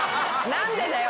何でだよ。